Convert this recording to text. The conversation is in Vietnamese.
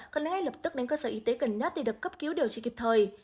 cần ngay lập tức đến cơ sở y tế gần nhất để được cấp cứu điều trị kịp thời